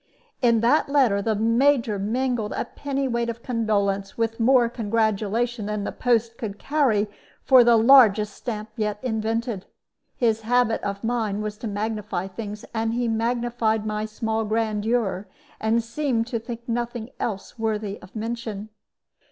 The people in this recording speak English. In that letter the Major mingled a pennyweight of condolence with more congratulation than the post could carry for the largest stamp yet invented. His habit of mind was to magnify things; and he magnified my small grandeur, and seemed to think nothing else worthy of mention.